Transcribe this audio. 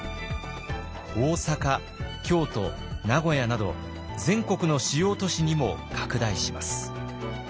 大阪京都名古屋など全国の主要都市にも拡大します。